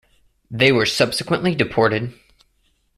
They were subsequently deported.